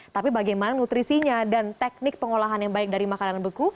tapi bagaimana nutrisinya dan teknik pengolahan yang baik dari makanan beku